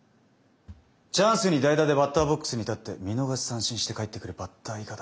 チャンスに代打でバッターボックスに立って見逃し三振して帰ってくるバッター以下だ。